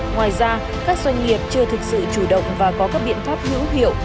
ngoài ra các doanh nghiệp chưa thực sự chủ động và có các biện pháp hữu hiệu